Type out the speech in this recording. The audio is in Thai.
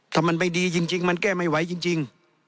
ถ้ามันไม่ดีจริงมันแก้ไม่ไหวจริง